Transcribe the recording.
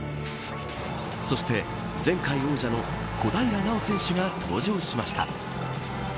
そして、前回王者の小平奈緒選手が登場しました。